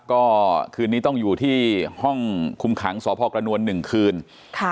ก็คืนนี้ต้องอยู่ที่ห้องคุมขังสพกระนวลหนึ่งคืนค่ะ